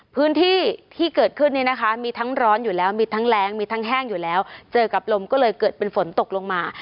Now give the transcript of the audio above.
พื้นที่ที่เกิดขึ้นเนี่ยนะคะมีทั้งร้อนอยู่แล้วมีทั้งแรงมีทั้งแห้งอยู่แล้วเจอกับลมก็เลยเกิดเป็นฝนตกลงมา